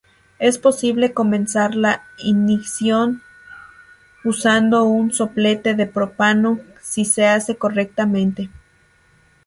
Es posible comenzar la ignición usando un soplete de propano si se hace correctamente.